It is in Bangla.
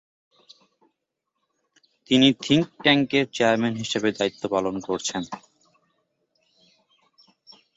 তিনি থিঙ্ক ট্যাঙ্কের চেয়ারম্যান হিসেবে দায়িত্ব পালন করেছেন।